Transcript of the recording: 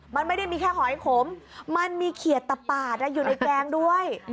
มันไม่ได้มีแค่หอยขมมันมีเขียดตะปาดอยู่ในแกงด้วย